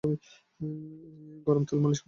গরম তেল মালিশ করে দিও।